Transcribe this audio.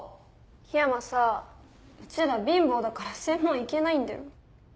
樹山さうちら貧乏だから専門行けないんだよ。